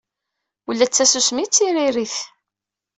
Ula d tasusmi d tiririt.